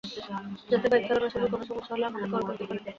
যাতে বাইক চালানোর সময় কোন সমস্যা হলে আমাকে কল করতে পারেন।